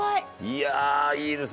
いやあいいですね。